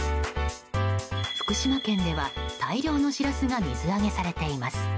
福島県では、大量のシラスが水揚げされています。